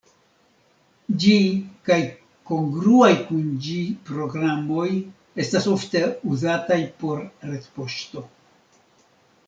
Ĝi kaj kongruaj kun ĝi programoj estas ofte uzataj por retpoŝto.